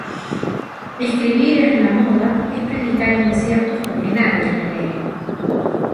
Escribir en La Moda, es predicar en desiertos, porque nadie la lee